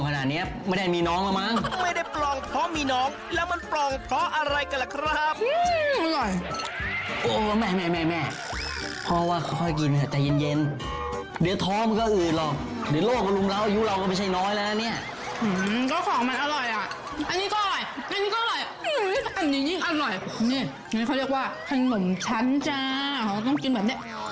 อันนี้ยิ่งอร่อยนี่เขาเรียกว่าให้เหมือนฉันจ้าต้องกินแบบนี้เห็นมั้ย